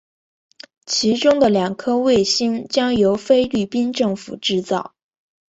其中的两颗卫星将由菲律宾政府制造。